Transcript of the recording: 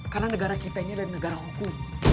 karena negara kita ini adalah negara hukum